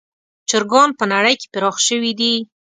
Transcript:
چرګان په نړۍ کې پراخ شوي دي.